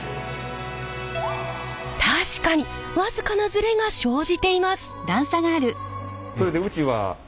確かに僅かなズレが生じています。